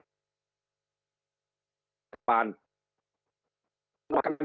ปล่อยให้อยู่สภาพอย่างนี้ไม่ได้